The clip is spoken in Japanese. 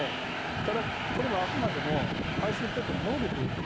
ただこれはあくまでも排水ポンプの能力がありますよね。